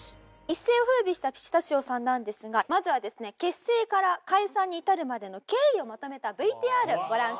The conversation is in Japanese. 一世を風靡したピスタチオさんなんですがまずはですね結成から解散に至るまでの経緯をまとめたＶＴＲご覧ください。